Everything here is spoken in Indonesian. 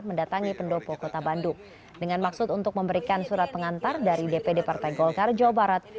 mendatangi pendopo kota bandung dengan maksud untuk memberikan surat pengantar dari dpd partai golkar jawa barat